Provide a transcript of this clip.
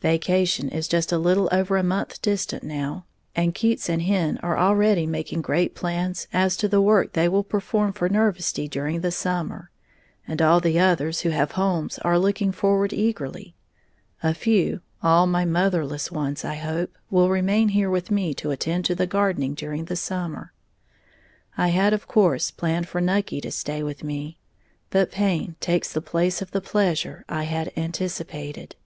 Vacation is just a little over a month distant now, and Keats and Hen are already making great plans as to the work they will perform for Nervesty during the summer, and all the others who have homes are looking forward eagerly. A few, all my motherless ones, I hope will remain here with me to attend to the gardening during the summer. I had of course planned for Nucky to stay with me; but pain takes the place of the pleasure I had anticipated.